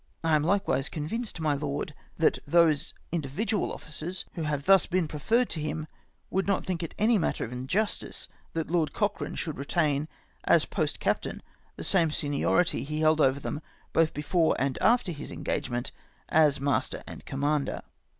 I am likewise convinced, my Lord, that those individual officers, who have thus been preferred to him, would not think it any matter of injustice that Lord Cochrane should retain, as post captain, the same seniority he held over them, both before and after his engagement, as master and commander.